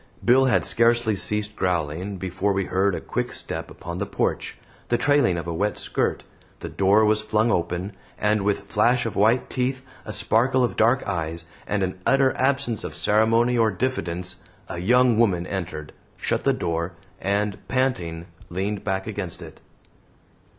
Bill had scarcely ceased growling before we heard a quick step upon the porch, the trailing of a wet skirt, the door was flung open, and with flash of white teeth, a sparkle of dark eyes, and an utter absence of ceremony or diffidence, a young woman entered, shut the door, and, panting, leaned back against it.